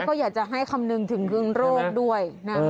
อันนี้ก็อยากจะให้คำนึงถึงเรื่องโรคด้วย